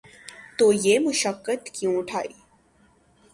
تو یہ مشقت کیوں اٹھائی؟